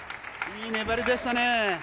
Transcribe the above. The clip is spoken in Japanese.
いい粘りでしたね。